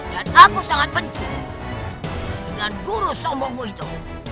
dan aku sangat benci dengan guru sombongmu itu